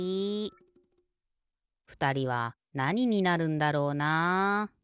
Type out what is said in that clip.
ふたりはなにになるんだろうな。